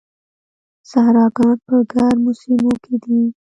صحراګان په ګرمو سیمو کې دي.